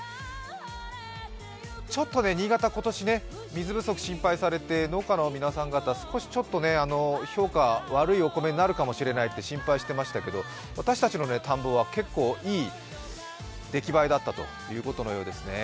ちょっと新潟、今年、水不足が心配されて農家の皆さん方、ちょっと評価悪いお米になるかもしれないって心配してましたけど、私たちの田んぼは、結構いい出来ばえだったということのようですね。